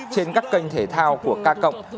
trên các kênh thể thao của k cộng